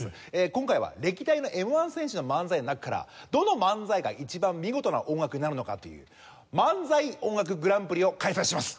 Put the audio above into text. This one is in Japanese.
今回は歴代のＭ−１戦士の漫才の中からどの漫才が一番見事な音楽になるのかという漫才音楽グランプリを開催します。